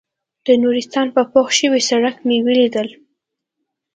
د نورستان په پوخ شوي سړک مې ولیدل.